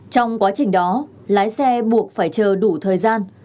trong quá trình đó lái xe buộc phải chờ đủ thời gian